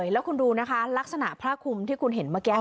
แล้วคุณดูนะคะลักษณะผ้าคุมที่คุณเห็นเมื่อกี้